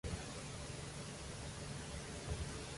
El ensayo de Christopher D. Stone, "Should trees have standing?